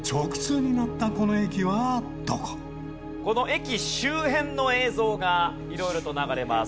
この駅周辺の映像が色々と流れます。